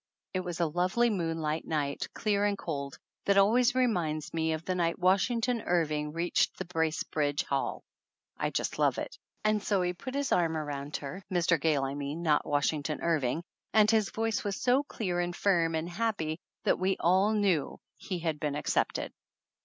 It was a lovely moonlight night, clear and cold, that always reminds me of the night Wash ington Irving reached Bracebridge Hall (I just love it) , and so he put his arm around her, Mr. Gayle I mean, not Washington Irving, and his voice was so clear and firm and happy that we all knew he had been accepted.